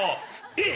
えっ？